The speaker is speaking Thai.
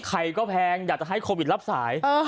ใครก็แพงอยากจะให้โควิดรับสาย